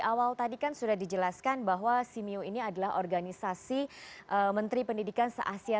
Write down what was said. awal tadi kan sudah dijelaskan bahwa simeocitab ini adalah organisasi menteri pendidikan seasia